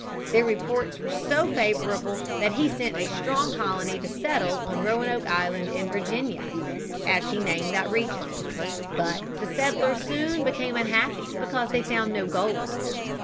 Their reports were so favorable that he sent a strong colony to settle on Roanoke Island in Virginia, as he named that region. But the settlers soon became unhappy because they found no gold.